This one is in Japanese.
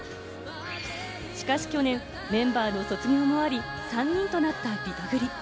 しかし去年、メンバーの卒業もあり、３人となったリトグリ。